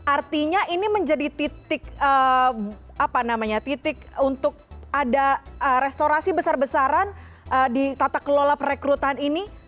artinya ini menjadi titik untuk ada restorasi besar besaran di tata kelola perekrutan ini